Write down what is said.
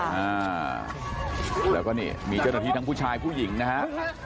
อ่าแล้วก็นี่มีเจ้าหน้าที่ทั้งผู้ชายผู้หญิงนะฮะ